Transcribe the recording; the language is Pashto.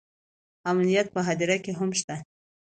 امنیت په هدیره کې هم شته